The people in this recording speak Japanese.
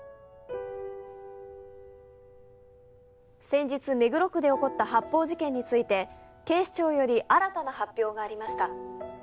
「先日目黒区で起こった発砲事件について警視庁より新たな発表がありました」